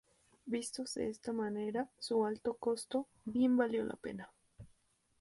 Visto de esta manera, su alto costo, bien valió la pena.